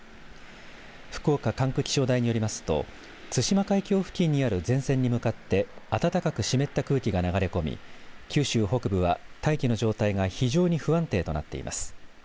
福岡管区気象台によりますと対馬海峡付近にある前線に向かって暖かく湿った空気が流れ込み九州北部は大気の状態が非常に不安定となっています。